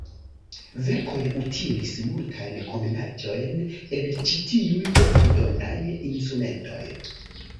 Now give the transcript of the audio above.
Verkoj utilis multajn kombinaĵojn el ĉi tiuj aldonaj instrumentoj.